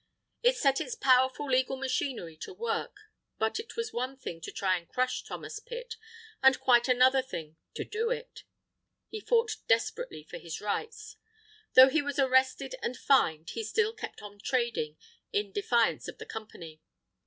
It set its powerful legal machinery to work. But it was one thing to try to crush Thomas Pitt, and quite another thing to do it. He fought desperately for his rights. Though he was arrested and fined he still kept on trading, in defiance of the Company.